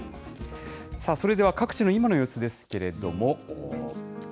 さあ、それでは各地の今の様子ですけれども。